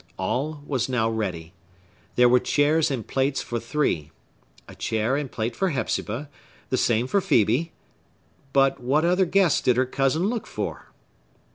All was now ready. There were chairs and plates for three. A chair and plate for Hepzibah,—the same for Phœbe,—but what other guest did her cousin look for?